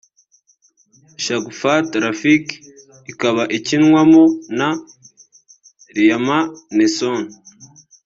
Shagufta Rafique ikaba ikinwamo na Liam Neeson